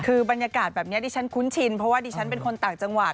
คือบรรยากาศแบบนี้ดิฉันคุ้นชินเพราะว่าดิฉันเป็นคนต่างจังหวัด